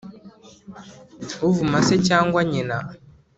uvuma se cyangwa nyina,